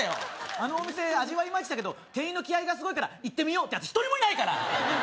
あのお店味わいましたけど店員の気合がすごいから行ってみようなんてやつ１人もいないから。